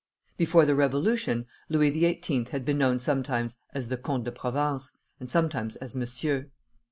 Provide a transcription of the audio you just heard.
Before the Revolution, Louis XVIII. had been known sometimes as the Comte de Provence, and sometimes as Monsieur.